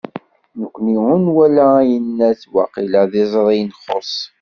Nekni ur nwala ayennat, waqila d iẓri i nxuṣ.